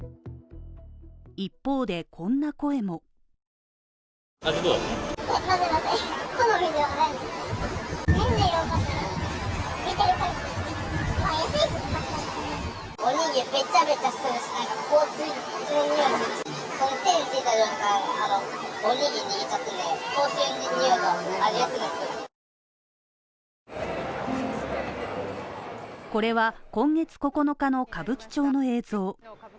一方でこんな声もこれは今月９日の歌舞伎町の映像。